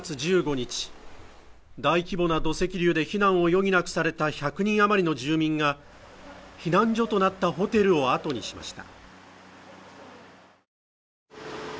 日大規模な土石流で避難を余儀なくされた１００人余りの住民が避難所となったホテルをあとにしました